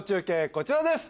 こちらです